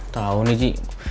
tau nih ci